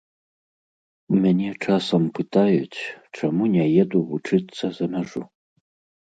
У мяне часам пытаюць, чаму не еду вучыцца за мяжу?